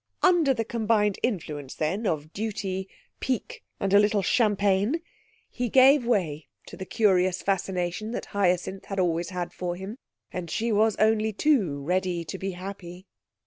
Under the combined influence, then, of duty, pique, and a little champagne, he gave way to the curious fascination that Hyacinth had always had for him, and she was only too ready to be happy.